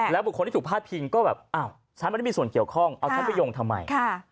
บุคคลที่ถูกพาดพิงก็แบบอ้าวฉันไม่ได้มีส่วนเกี่ยวข้องเอาฉันไปโยงทำไม